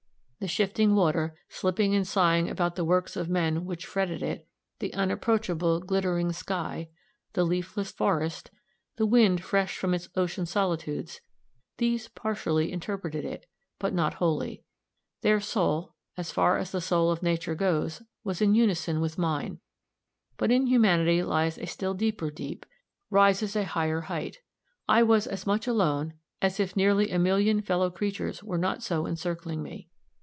The shifting water, slipping and sighing about the works of men which fretted it; the unapproachable, glittering sky; the leafless forest, the wind fresh from its ocean solitudes these partially interpreted it, but not wholly. Their soul, as far as the soul of Nature goes, was in unison with mine; but in humanity lies a still deeper deep, rises a higher hight. I was as much alone as if nearly a million fellow creatures were not so encircling me.